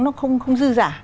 nó không dư giả